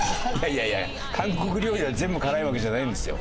いやいや韓国料理が全部辛いわけじゃないんですよ。